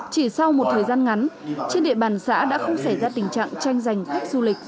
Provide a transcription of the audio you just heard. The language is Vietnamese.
chỉ sau một thời gian ngắn trên địa bàn xã đã không xảy ra tình trạng tranh giành khách du lịch